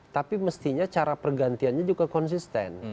tapi mestinya cara pergantiannya juga konsisten